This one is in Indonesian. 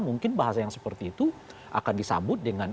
mungkin bahasa yang seperti itu akan disambut dengan